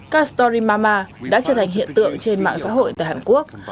các story mama đã trở thành hiện tượng trên mạng xã hội tại hàn quốc